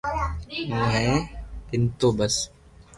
مون ھي پينتو بس